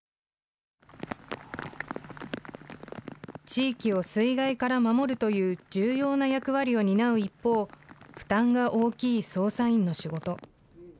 地域を水害から守るという重要な役割を担う一方、負担が大きい操作員の仕事。